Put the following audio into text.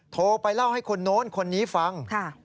โทรไปเล่าให้คนโน้นคนนี้ฟัง